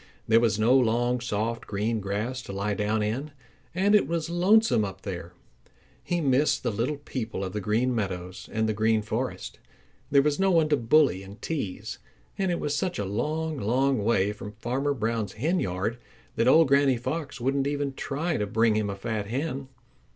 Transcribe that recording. There was no long, soft green grass to lie down in. And it was lonesome up there. He missed the little people of the Green Meadows and the Green Forest. There was no one to bully and tease. And it was such a long, long way from Farmer Brown's henyard that old Granny Fox wouldn't even try to bring him a fat hen.